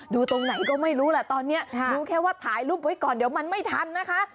ตรงไหนก็ไม่รู้แหละตอนนี้รู้แค่ว่าถ่ายรูปไว้ก่อนเดี๋ยวมันไม่ทันนะคะ